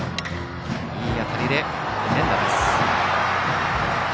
いい当たりで連打です。